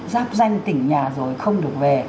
giáp danh tỉnh nhà rồi không được về